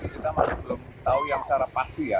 kita masih belum tahu yang secara pasti ya